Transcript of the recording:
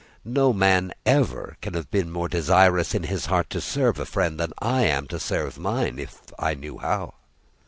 No man ever can have been more desirous in his heart to serve a friend, than I am to serve mine, if I knew how.